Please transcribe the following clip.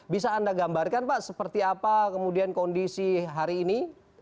bisa anda gambarkan pak seperti apa kemudian kondisi hari ini